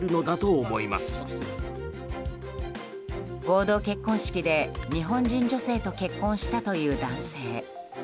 合同結婚式で日本人女性と結婚したという男性。